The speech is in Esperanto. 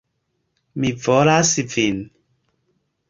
Mi volas vin.